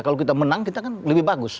kalau kita menang kita kan lebih bagus